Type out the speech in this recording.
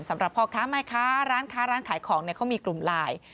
สำหรับพ่อค้าแม่ค้าร้านค้าร้านขายของเขามีกลุ่มไลน์